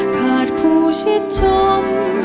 ขาดคู่ชิดชม